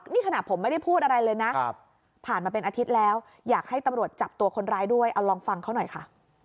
นี่ขณะผมไม่ได้พูดอะไรเลยนะผ่านมาเป็นอาทิตย์แล้วอยากให้ตำรวจจับตัวคนร้ายด้วยเอาลองฟังเขาหน่อยค่ะ